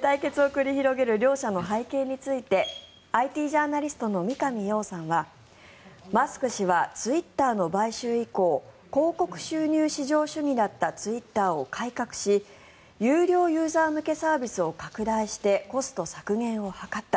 対決を繰り広げる両者の背景についてＩＴジャーナリストの三上洋さんはマスク氏はツイッターの買収以降広告収入至上主義だったツイッターを改革し有料ユーザー向けサービスを拡大して、コスト削減を図った。